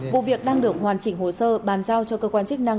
vụ việc đang được hoàn chỉnh hồ sơ bàn giao cho cơ quan chức năng